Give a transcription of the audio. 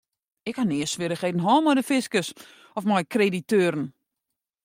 Ik ha nea swierrichheden hân mei de fiskus of mei krediteuren.